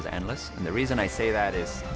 dan alasan saya mengatakan itu adalah